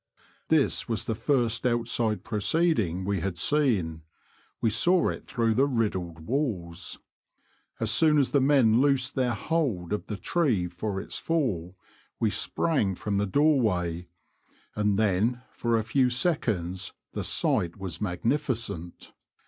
This was the first outside proceeding we had seen — we saw it through the riddled walls. As soon as the men loosed their hold of the tree for its fall we sprang from the doorway ; and then for a few seconds the sight was mag nificent.